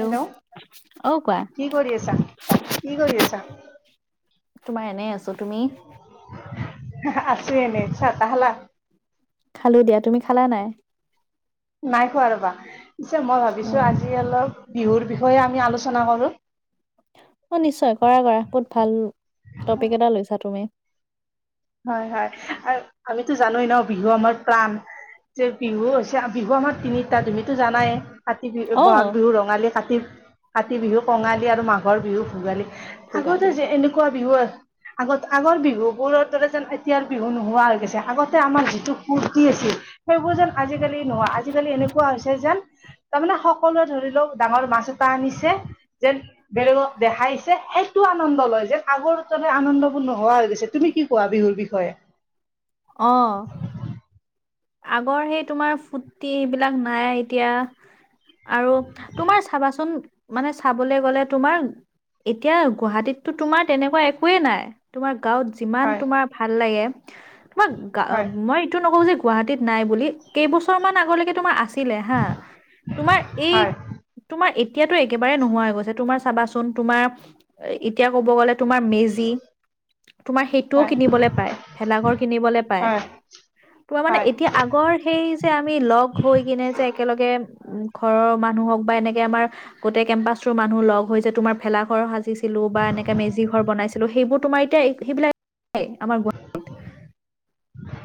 Hello অ' কোৱা। কি কৰি আছা কি কৰি আছা? তোমাৰ এনে আছোঁ তুমি আছেনে এনে চাহ তাহ খালা? খালো দিয়া তুমি খালা নাই নাই খোৱা ৰবা পিছে মই ভাবিছোঁ অ' আজি অলপ বিহুৰ বিষয়ে আমি আলোচনা কৰোঁ অ নিশ্চয় কৰা কৰা বহুত ভাল টপিক এটা লৈছা তুমি হয় হয় আৰু আমিতো জানোৱেই ন বিহু আমাৰ প্ৰাণ যে বিহু হৈছে বিহু আমাৰ তিনিটা তুমিতো জানাই কাতি বিহু, অ' বহাগ বিহু ৰঙালী, কাতি কাতি বিহু কঙালী, আৰু মাঘৰ বিহু ভোগালী। আগতে ভোগালী। যে এনেকুৱা বিহু আগত আগৰ বিহুবোৰত যেন এতিয়াৰ বিহু নোহোৱা হৈ গৈছে আগতে আমাৰ যিটো ফূৰ্তি আছিল সেইবোৰ যেন আজিকালি নোহ আজিকালি এনেকুৱা হৈছে যেন তাৰমানে সকলোৱে ধৰি লওঁক ডাঙৰ মাছ এটা আনিছে যেন বেলেগক দেখাইছে, এইটো আনন্দ লয় যে আগৰ যে আনন্দবোৰ নোহোৱা হৈ গৈছে তুমি কি কোৱা বিহুৰ বিষয়ে, অ আগৰ সেই তোমাৰ ফুৰ্তি সেইবিলাক নাই এতিয়া আৰু তোমাৰ চাবাচোন মানে চাবলৈ গ'লে তোমাৰ এতিয়া গুৱাহাটীততো তোমাৰ তেনেকুৱা একোৱে নাই তোমাৰ গাঁৱত যিমান হয় তোমাৰ ভাল লাগে তোমাক গা হয় মই এইটো নকওঁ যে গুৱাহাটীত নাই বুলি কেইবছৰ মান আগৰ লৈকে তোমাৰ আছিলে, আছিলে হা তোমাৰ এই হয় তোমাৰ- এতিয়াতো একেবাৰে নোহোৱা হৈ গৈছে তোমাৰ চাবাচোন তোমাৰ এতিয়া ক'ব গ'লে, তোমাৰ মেজি তোমাৰ সেইটোও হয় কিনিবলৈ পায় ভেলাঘৰ কিনিবলে পায়। হয় মানে হয় এতিয়া আগৰ সেই যে আমি লগ হৈ কিনে যে একেলগে উম ঘৰৰ মানুহ হওঁক বা এনেকে আমাৰ গোটেই কেম্পাচটোৰ মানুহ লগ হৈ যে তোমাৰ ভেলা ঘৰ সাজ ছিলো বা এনেকে মেজি ঘৰ বনাইছিলো সেইবোৰ তোমাৰ এতিয়া সেইবিলাক আমাৰ গুৱাহাটীত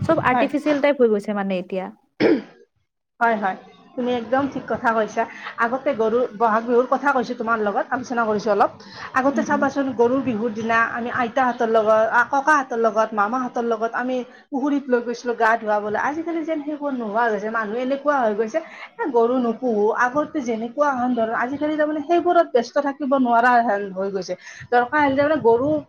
চব হয় আৰ্টিফিচিয়েল টাইপ হৈ গৈছে মানে এতিয়া [unintelligible] হয় হয় তুমি একদম ঠিক কথা কৈছা আগতে গৰু বহাগ বিহুৰ কথা কৈছো তোমাৰ লগত আলোচনা কৰিছোঁ অলপ আগতে উম, উম। চাবাচোন গৰু বিহুৰ দিনা আমি আইতাহঁতৰ লগত, ককাহঁতৰ লগত, মামাহঁতৰ লগত আমি পুখুৰীত লৈ গৈছিলো গা ধুৱাব আজিকালি যেন সেইবোৰ নোহোৱা হৈ গৈছে। মানুহ এনেকুৱা হৈ গৈছে, এ গৰু নোপোহো আগতে যেনেকুৱা হন ধৰ আজিকালি তাৰমানে সেইবোৰত ব্যস্ত থাকিব নোৱাৰা হ হৈ গৈছে, দৰকাৰ হানে গৰু-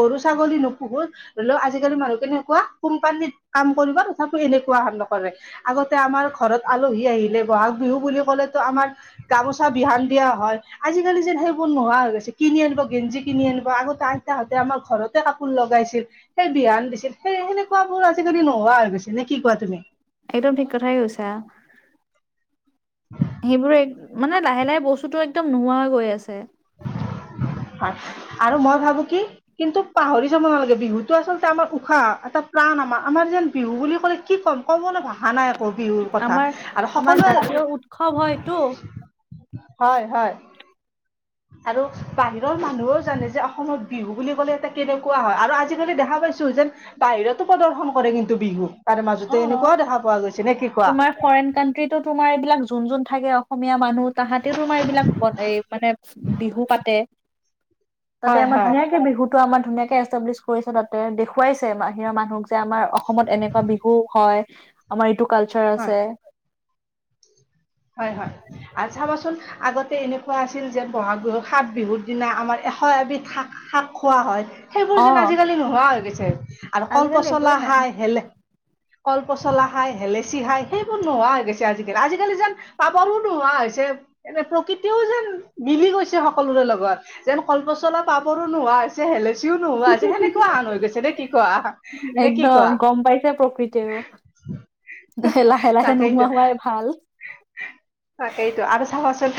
গৰু, ছাগলী নোপোহো ধৰি ল আজিকালি মানুহ কেনেকুৱা, কোম্পানীত কাম কৰিব তথাপিও এনেকুৱা নকৰে। আগতে আমাৰ ঘৰত আলহী আহিলে বহাগ বিহু বুলি ক'লেতো আমাৰ গামোচা বিহান দিয়া হয়। আজিকালি যেন সেইবোৰ নোহোৱা হৈ গৈছে কিনি আনিব গেঞ্জি কিনি আনিব আগতে আইতাহতে আমাৰ ঘৰতে কাপোৰ ল, লগাইছিল সেই বিহান দিছিল সেই সেনেকুৱা বোৰ আজিকালি নোহোৱা হৈ গৈছে নে কি কোৱা তুমি? একদম ঠিক কথাই কৈছা সেইবোৰ এক মানে লাহে লাহে বস্তুটো একদম নোহোৱা গৈ আছে [unintelligible] হয় আৰু মই ভাবো কি কিন্তু পাহৰি যাব নালাগে বিহুটো আচলতে আমাৰ উশাহ এটা প্ৰাণ আমাৰ আমাৰ যেন বিহু বুলি ক'লে কি কম ক'বলৈ ভাষা নাই বিহুৰ কথা আমাৰ আৰু আমাৰ সকলোৱে জাতীয় উৎসৱ হয়তো হয় হয় আৰু বাহিৰৰ মানুহও জানে যে অসমত বিহু বুলি ক'লে এটা কেনেকুৱা হয় আৰু আজি দেখা পাইছো যেন বাহিৰতো প্ৰদৰ্শন কৰে কিন্তু বিহু তাৰে মাজতে অ এনেকুৱাও দেখা পোৱা গৈছে নে কি কোৱা তোমাৰ ফৰেন কানট্ৰিটো তোমাৰ এইবিলাক যোন যোন থাকে অসমীয়া মানুহ তাহাতেও তোমাৰ এইবিলাক এই মানে বিহু পাতে তাতে হয় আমাৰ হয় ধুনীয়াকে বিহুতো আমাৰ ধুনীয়াকে এষ্টাব্লিছ কৰিছে তাতে দেখুৱাইছে বাহিৰাৰ মানুহক যে আমাৰ অসমত এনেকুৱা বিহু হয়। আমাৰ এইটো কালছাৰ হয় আছে। হয় হয় আৰু চাবচোন আগতে এনেকুৱা আছিল যে বহাগ বিহু সাত বিহুৰ দিনা আমাৰ এশ এবিধ শাক শাক খোৱা হয়। সেইবোৰ অ যেন আজিকালি নোহোৱা হৈ গৈছে। আৰু কল আজিকালি পচলা একোৱেই নাই হাই হেলে। কল পচলা হায়, হেলেচি হায় সেইবোৰ নোহোৱা হৈ গৈছে আজিকালি। আজিকালি যেন পাবলো নোহোৱা হৈছে। এনে প্ৰকৃতিও যেন মিলি গৈছে সকলোৰে লগত, যেন পচলা পাবৰো নোহোৱা হৈছে হেলে ছিও নোহোৱা যে সেনেকুৱা সান হৈ গৈছে দে কি কোৱা? নে কি একদম কোৱা? গম [unintelligible] লাহে লাহে লাহে নোহোৱা হোৱাই ভাল। তাকেইটো আৰু চাবা চু ন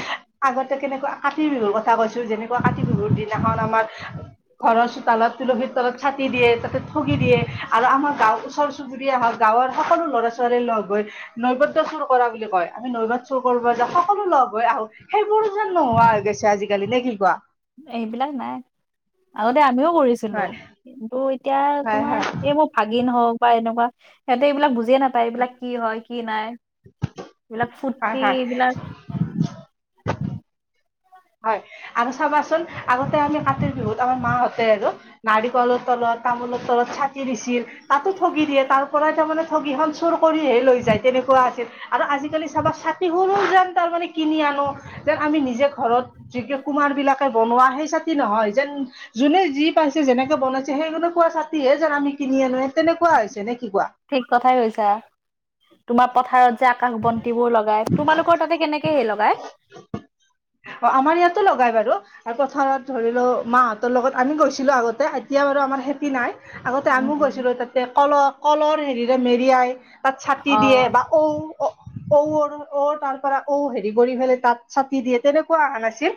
আগতে কেনেকুৱা কাতি বিহুৰ কথা কৈছো। যেনেকুৱা কাতি বিহুৰ দিনাখন আমাৰ ঘৰ চোতালত তুলসীৰ তলত চাটি দিয়ে তাতে ঠগি দিয়ে আৰু আমাৰ গাঁওৰ ওচৰ -চুবুৰীয়া হওক, গাঁৱৰ সকলো ল'ৰা- ছোৱালী লগ হৈ নৈবদ্যচৰ কৰা বুলি কয়। আমি নৈবাত চুৰ কৰিব যা, সকলো লগ হৈ আহো। সেইবোৰ যেন নোহোৱা হৈ গৈছে আজিকালি নে কি কোৱা? এইবিলাক নাই আগতে আমিও কৰিছিলো হয় কিন্তু এতিয়া হয় তোমাৰ হয় এই মোৰ ভাগিন হওক বা এনেকুৱা, সেহতি এইবিলাক বুজিয়ে নাপায় এইবিলাক কি হয়? কি নাই এইবিলাক হয় ফূৰ্তি হয়। এইবিলাক হয় আৰু চাবাচোন আগতে আমি কাতিৰ বিহুত আমাৰ মাহঁতে আৰু নাৰিকলৰ তলত, তামোলৰ তলত চাটি দিছিল, তাতো ঠগি দিয়ে, তাৰপৰা তাৰ মানে ঠগীখন চুৰ কৰিহে লৈ যায় তেনেকুৱা আছিল আৰু আজিকালি চাবা চাটি সৰু যেন তাৰমানে কিনি আ আনো যে আমি নিজে ঘৰত যোগ্য কুমাৰবিলাকে বনোৱা সেই ছাতি নহয়। যেন যোনে যি পাইছে যেনেকে বনাইছে সেই ৱা ছাতিহে যেন আমি কিনি আনো, তেনেকুৱা হৈছে নে কি কোৱা? ঠিক কথাই কৈছা তোমাৰ পথাৰত যে আকাশ বন্তিবোৰ লগাই। তোমালোকৰ তাতে কেনেকে হে লগায়? অ আমাৰ ইয়াতো লগাই বাৰু, আ পথাৰত ধৰি লও মাহঁতৰ লগত আমি গৈছিলো আগতে এতিয়া আমাৰ খেতি নাই, আগতে উম আমি উম গৈছিলো তাতে কল কলৰ হেৰিৰে মেৰিয়াই তাত ছাতি অ দিয়ে বা ঔ ঔ অৰ অঔ তাৰ পৰা ঔ হেৰি কৰি পেলে তাত ছাতি দিয়ে তেনেকুৱা আহা না চি,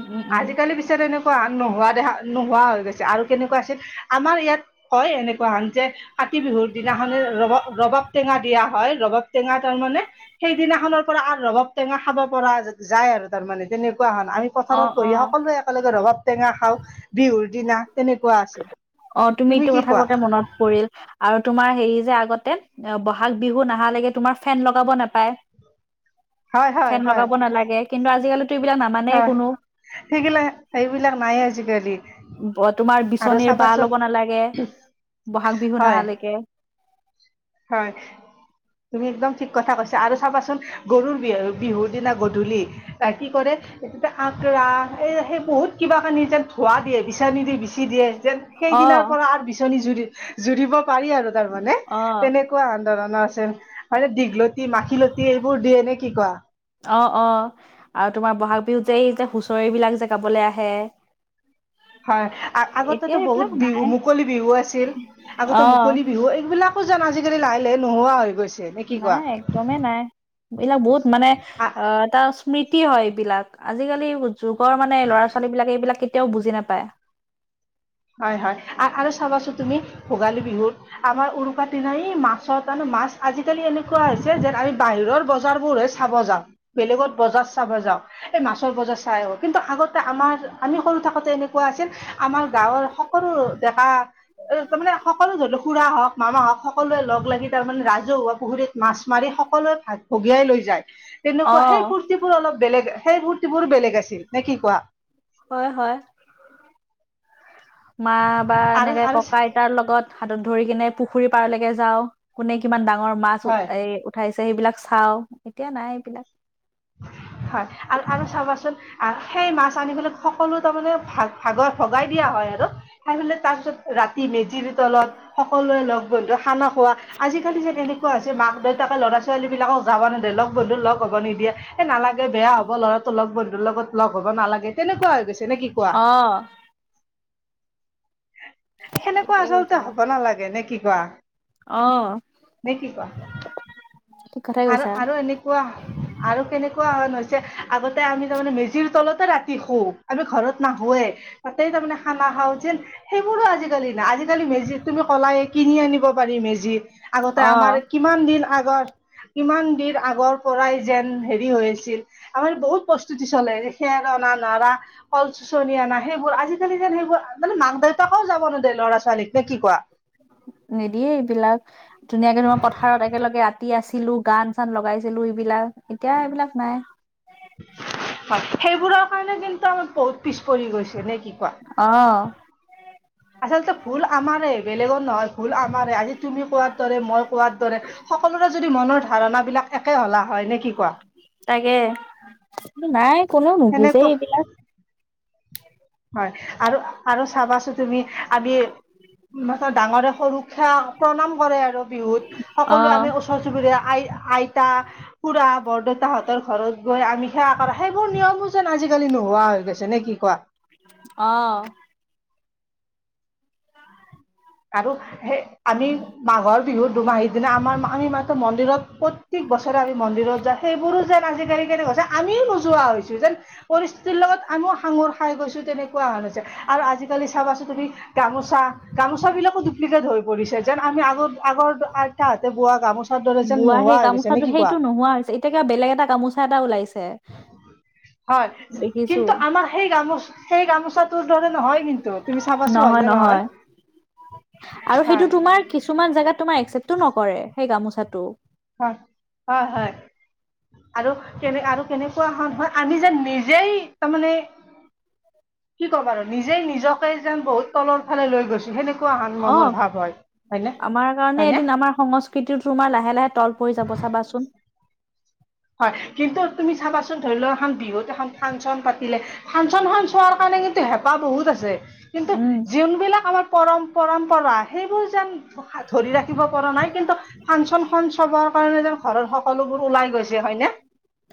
উম উম আজিকালি বিচাৰে এনে ৱা নোহোৱা দেখা নোহোৱা হৈ গৈছে আৰু কেনেকুৱা আছিল। আমাৰ ইয়াত কয় এনেকুৱা হান যে কাতি বিহুৰ দিনাখনে ৰব ৰবাব টেঙা দিয়া হয়। ৰবাব টেঙা তাৰমানে সেইদিনাখনৰ পৰা আৰ ৰবাব টেঙা খাব পৰা যায় আৰু তাৰমানে। তেনে- কোৱা হন। আমি অ পথাৰত অ বহি সকলোৱে একেলগে ৰবাব টেঙা খাও বিহুৰ দিনা তেনেকুৱা আছিল। অ তুমি ইটো কি কথা কোৱা কওঁতে মনত পৰিল। আৰু তোমাৰ হেৰি যে আগতে বহাগ বিহু নাহালেকে তোমাৰ ফেন লগাব নেপায়। হয় হয় ফেন হয় লগাব নালাগে কিন্তু আজিকালিটো এইবিলাক নামানেই হয় কোনো। সেইগিলা সেইবিলাক নাই আজিকালি। ব তোমাৰ আৰু বিচনীৰ বাঁহ চাবাচোন ল'ব নালাগে, বহাগ বিহু হয় নাহালৈকে। হয় তুমি একদম ঠিক কথা কৈছা আৰু চাবাচোন গৰুৰ বিহু বিহুৰ দিনা গধূলি কি কৰে আ ৰা এই সেই বহুত কিবা কানি যে ধোঁৱা দিয়ে। বিচনি দি বিচি দিয়ে। যে সেই অ দিনাৰ পৰা আৰু বিচনী জুৰি জুৰিব পাৰি আৰু তাৰমানে। অ তেনেকুৱা ধৰণৰ আছে। আৰে দীঘলতি মাখিলতি এইবোৰ দিয়ে নে কি কোৱা? অ অ আৰু তোমাৰ বহাগ বিহুত যে এই যে হুচৰি বিলাক যে গাবলে আহে। হয়, আ এতিয়া আগতেতো বহুত এইবিলাক বিহু নাই মুকলি বিহু আছিল। অ আগতে মুকলি বিহু এইবিলাকো যেন আজি কালি লাহে লাহে নোহোৱা হৈ গৈছে। নে কি কোৱা নাই একদমেই নাই। এইবিলাক বহুত মানে আ এটা স্মৃতি হয় এইবিলাক, আজিকালি যুগৰ মানে ল'ৰা -ছোৱালীবিলাক এইবিলাক কে তেওঁ বুজি নাপায়। হয় হয়, আ আৰু চাবাচো তুমি ভোগালী বিহুত আমাৰ উৰুকা দিনা মাছৰ তানো মাছ আজিকালি এনেকুৱা হৈছে যে আমি বাহিৰৰ বজাৰবোৰহে চাব যাওঁ, বেলেগত বজাৰ চাব যাওঁ। এই মাছৰ বজাৰ চাই আহোঁ কিন্তু আমি সৰু থাকোঁতে এনেকুৱা আছিল, আম- গাঁৱৰ সকলো ডেকা এ তাৰ মানে সকলো ধৰি লওক খুৰা হওক মামা হওক। সকলোৱে লগ লাগি তাৰমানে ৰাজহুৱা পুখুৰীত মাছ মাৰি সকলোৱে ভাত ভগিয়াই লৈ যায়। অ তেনেকুৱা সেই ফূৰ্তিবোৰ অলপ বেলেগ সেই ফূৰ্তিবোৰ বেলেগ আছিল নে কি কোৱা। হয় হয়। মা বা আৰু এনেকে আৰু ককা আইতাৰ লগত সাধ- ধৰি কেনে পুখুৰী পাৰলৈকে যাও কোনে কিমান ডাঙৰ মাছ হয় এ উঠাইছ- সেইবিলাক চাও এতিয়া নাই এইবিলাক। হয় আৰু আৰু চাবাচোন। সেই মাছ আনি পেলাই সকলো তাৰ মমানে ভ ভাগ ভগাই দিয়া হয় আৰু খাই পেলাই তাৰ পিছত। ৰাতি মেজিৰ তলত সকলোৱে লগ বন্ধু খানা খোৱা আজিকালি যে তেনেকুৱা আ হৈছে মাক দেউতাকে ল'ৰা ছোৱালীবিলাকক যাব নিদিয়ে লগ বন্ধু লগ হ'ব নিদিয়ে। এ নালাগে বেয়া হ'ব ল'ৰাটো লগ বন্ধুৰ লগত লগ হব নালাগে। তেনেকুৱা হৈ গৈছে নে কি কোৱা? অ সেনেকুৱা ঠিকেই আচলতে কৈছা হব নালাগে নে কি কোৱা? দে কি কোৱা? ঠিক কথাই আৰু কৈছা আৰু এনেকুৱা আৰু কেনেক- এনেকুৱা হৈছে আগতে আমি তাৰমানে মেজিৰ তলতে ৰাতি শো আমি ঘৰত নাহোৱেই তাতে তাৰ মানে খানা খাও যেন সেইবোৰো আজিকালি নাই। আজিকালি মেজিত তুমি কলাই কিনি আনিব পাৰি মেজি। আগতে অ আমাৰ কিমান দিন আগৰ। কিমান দিন আগৰ পৰাই যেন হেৰি হৈ আছিল, আমাৰ বহুত প্ৰস্তুতি চলে খেৰ অনা। নাৰা কল চনি আনা সেইবোৰ আজিকালি যেন সেইবোৰ মানে মাক দেউতাকও যাব নোদে ল'ৰা ছোৱালীক। কে কি কোৱা? নিদিয়ে এইবিলাক ধুনীয়াকে তোমাৰ পথাৰত একেলগে ৰাতি আছ- ছিলো গান চান লগাইছিলো এইবিলাক এতিয়া এইবিলাক নাই। হয় সেইবোৰৰ কাৰণে কিন্তু আমাৰ বহুত পিছ পৰি গৈছে নেকি। অহ। আচলতে ভুল আমাৰে বেলেগৰ নহয়। ভুল আমাৰে আজি তুমি কোৱাৰ দৰে মই কোৱাৰ দৰে সকলোৰে যদি মনৰ ধাৰণা বিলাক একে হলা হয় নে কি কোৱা তাকে নাই কোনে নুবুজেই সেনেকুৱা এইবিলাক হয় আৰু আৰু চাবাচোন তুমি আমি ডাঙৰে সৰুক সেৱা প্ৰণাম কৰে আৰু বিহুত অ সকলো আমি ওচৰ চুবুৰীয়া আই আই পুৰা বৰদউতাহঁতৰ ঘৰত গৈ আমি সেৱা কৰা সেইবোৰ নিয়ম আজিকালি নোহোৱা হৈ গৈছে নে কি কোৱা? অহ আৰু সে আমি মাঘৰ বিহুত দুমাহী যেনে আমাৰ আমি মাতো মন্দিৰত প্ৰত্যেক বছৰে আমি মন্দিৰত যাওঁ সেইবোৰো যেন আজিকালি। সেইটো গৈছে আমি নোযোৱা হৈছো যেন পৰিস্থিতিৰ লগত আম- সংঙোৰ খাই গৈছো তেনেকুৱা হ আৰু আজিকালি চাবাচো তুমি গামোচা গামোচ- কিট হৈ পৰিছে যেন আমি আগত আগৰ আইতাহঁতে বোৱা গামোচা দৰে যেন বোৱা নোহোৱা সেই হৈ গৈছে নে গামোচাটো কি কোৱা? ঠা ওলাইছ- হয় দেখিছো কিন্তু আমাৰ সেই গামোচা সেই গামোচাত। তোৰ দৰে নহয় কিন্তু তুমি চাবাছো হয় নে নহয়। আৰু হয় সেইটো তোমাৰ কিছুমান জেগাত তোমাৰ একচেপ্টটো নকৰে সেই গামোচাটো। হয় হয় হয়। আৰু কেনে আৰু কেনেকুৱা হন হয় আমি যে নিজেই তাৰমানে কি ক'ম আৰু নিজে নিজকে যেন বহুত তলৰ ফালে লৈ গৈছো সেনেকুৱা আন অ মনৰ ভাৱ হয় হয়নে? আমাৰ কাৰণে হয়নে? এদিন আমাৰ সংস্কৃতিটো তোমাৰ লাহে লাহে তল পৰি যাব চাবাচোন হয় কিন্তু তুমি চাবাচোন ধৰি লও এখন বিহুত এখন ফাংচন পাতিলে ফাংচনখন চোৱাৰ কাৰণে কিন্তু হেঁপাহ বহুত আছে কিন্তু উম যোনবিলাক আমাৰ পৰম পৰম্পৰা সেইবোৰ যেন ধৰি ৰাখিব পৰা নাই কিন্তু ফাংচন খন চবৰ কাৰণে যে ঘৰৰ সকলোবোৰ ওলাই গৈছে হয়নে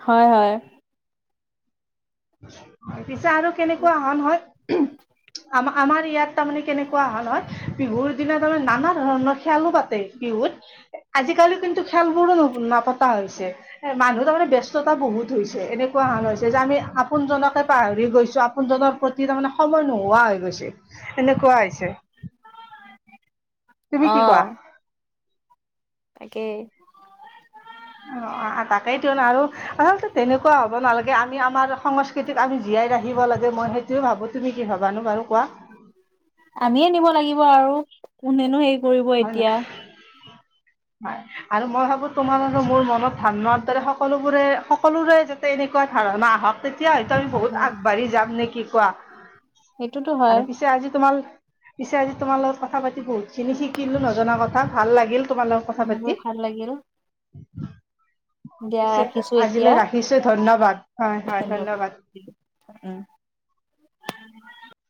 হয় হয় পিছে আৰু কেনেকোৱা হ নহয় আম আমাৰ ইয়াত তাৰমানে কেনেকোৱা হল হয় বিহুৰ দিনা তাৰমানে নানা ধৰণৰ খেলো পাতে বিহুত আজিকালি কিন্তু খেলবোৰো ন নাপতা হৈছে এ মানুহ তাৰ মানে ব্যস্ত তা বহুত হৈছে এনেকোৱা হণ হৈছে যে আমি আপোন জনকে পাহৰি গৈছো আপোনজনৰ প্ৰতি তাৰমানে সময় নোহোৱা হৈ গৈছে এনেকোৱা হৈছে অ'। তুমি কি কোৱা তাকে অ অ তাকেইতোন আৰু আচলতে তেনেকোৱা হ'ব নালাগে আমি আমাৰ সংস্কৃতিক আমি জীয়াই সদায় ৰাখিব লাগে মই সেইটোয়ে ভাবো তুমি কি ভাবানো বাৰু কোৱা আমিয়ে নিব লাগিব আৰু কোনেনো হেৰি কৰিব হয় নাই এতিয়া হয় আৰু মই ভাবো তোমাৰ মোৰ মনত ধান লোৱাৰ দৰে সকলোবোৰে সকলোৰে যাতে তেনেকোৱা ধাৰণা আহক তেতিয়া হয়তো আমি বহুত আহে। আগবাঢ়ি যাম নে কি কোৱা সেইটোতো আৰু হয়। পিছে আজি তোমাৰ পিছে আজি তোমাৰ লগত কথা পাতি বহুত খিনি শিকিলো নজনা কথা ভাল লাগিল তোমাৰ লগত কথা মোৰো পাতি ভাল লাগিল দিয়া পিছে ৰাখিছো আজিলৈ ৰাখিছো ধন্যবাদ হয় এতিয়া হয় ধন্যবাদ উম [inaudible]